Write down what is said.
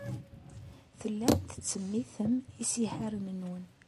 Tellam tettsemmitem isihaṛen-nwen.